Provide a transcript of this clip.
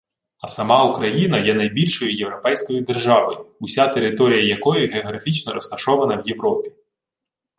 А сама Україна є найбільшою європейською державою, уся територія якої географічно розташована в Європі